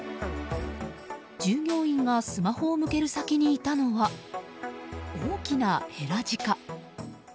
従業員がスマホを向ける先にいたのは大きなヘラジカ。